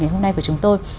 ngày hôm nay của chúng tôi